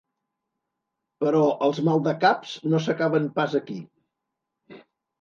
Però els maldecaps no s’acaben pas aquí.